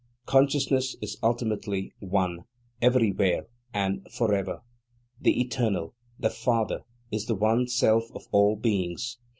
Consciousness is ultimately One, everywhere and forever. The Eternal, the Father, is the One Self of All Beings.